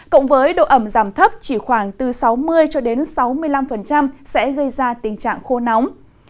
cộng với độ ẩm giảm thấp chỉ khoảng từ sáu mươi cho đến sáu mươi năm sẽ gây ra tình trạng khô nóng